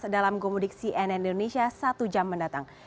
dalam gomudik cnn indonesia satu jam mendatang